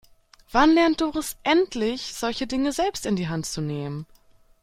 Wann lernt Doris endlich, solche Dinge selbst in die Hand zu nehmen?